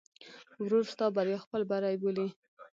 ورور ستا بریا خپل بری بولي.